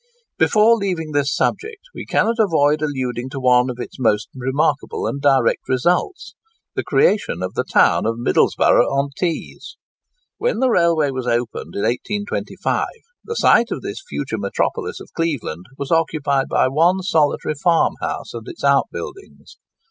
Before leaving this subject, we cannot avoid alluding to one of its most remarkable and direct results—the creation of the town of Middlesborough on Tees. When the railway was opened in 1825, the site of this future metropolis of Cleveland was occupied by one solitary farmhouse and its outbuildings.